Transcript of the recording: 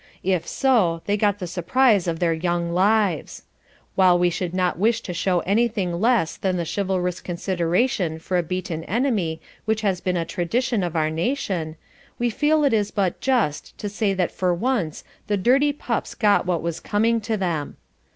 If so, they got the surprise of their young lives. While we should not wish to show anything less than the chivalrous consideration for a beaten enemy which has been a tradition of our nation, we feel it is but just to say that for once the dirty pups got what was coming to them.